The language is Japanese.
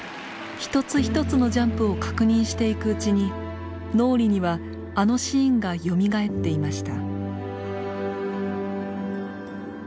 一つ一つのジャンプを確認していくうちに脳裏にはあのシーンがよみがえっていました。